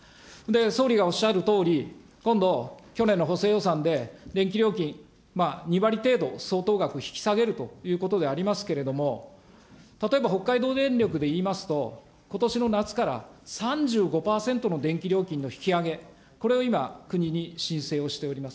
総理がおっしゃるとおり、今度、去年の補正予算で、電気料金、２割程度相当額引き下げるということでありますけれども、例えば北海道電力で言いますと、ことしの夏から３５％の電気料金の引き上げ、これを今、国に申請をしております。